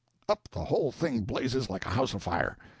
up the whole thing blazes like a house afire!